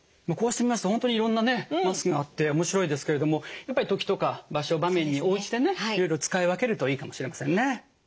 こうしてみますと本当にいろんなねマスクがあって面白いですけれどもやっぱり時とか場所場面に応じてねいろいろ使い分けるといいかもしれませんね。